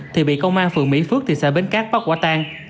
thì bị công an phường mỹ phước thị xã bến cát bắt quả tang